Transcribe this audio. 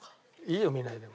いいよ見ないで。